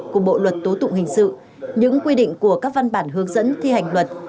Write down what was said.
của bộ luật tố tụng hình sự những quy định của các văn bản hướng dẫn thi hành luật